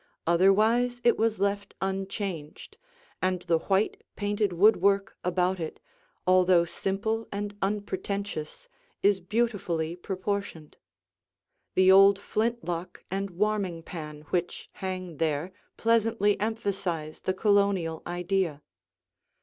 Otherwise it was left unchanged, and the white painted woodwork about it, although simple and unpretentious, is beautifully proportioned. The old flint lock and warming pan which hang there pleasantly emphasize the Colonial idea.